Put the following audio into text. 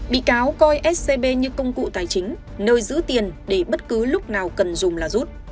bị cáo coi scb như công cụ tài chính nơi giữ tiền để bất cứ lúc nào cần dùng là rút